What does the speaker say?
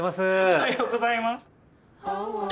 おはようございます！